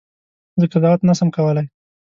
زه قضاوت نه سم کولای.